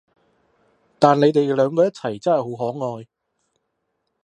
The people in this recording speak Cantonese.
但你哋兩個一齊真係好可愛